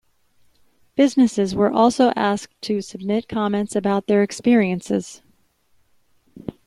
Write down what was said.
Businesses were also asked to submit comments about their experiences.